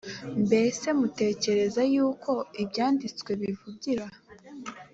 mbese mutekereza yuko ibyanditswe bivugira